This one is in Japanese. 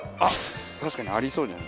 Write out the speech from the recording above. あっ確かにありそう。